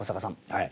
はい。